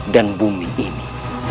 dan bumi ini